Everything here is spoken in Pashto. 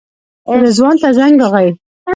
رضوان ته زنګ راغی.